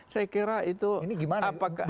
saya kira itu apakah